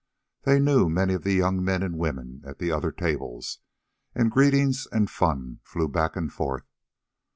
They knew many of the young men and women at the other tables, and greetings and fun flew back and forth.